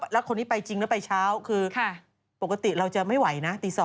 แล้วคนนี้ไปจริงแล้วไปเช้าคือปกติเราจะไม่ไหวนะตี๒